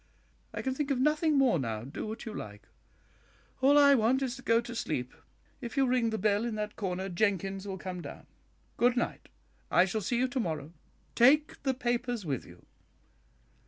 I can think of nothing more now, do what you like; all I want is to go to sleep. If you ring the bell in that corner, Jenkins will come down. Good night; I shall see you to morrow. Take the papers with you."